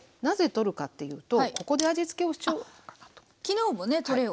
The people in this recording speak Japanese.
なぜ取るかっていうとここで味付けをしちゃおうかなと。